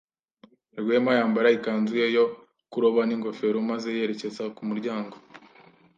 Rwema yambara ikanzu ye yo kuroba n'ingofero maze yerekeza ku muryango.